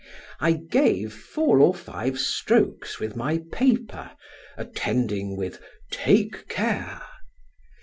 I gave four or five strokes with my paper, attending with "take care!"